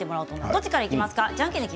どちらからいきますか。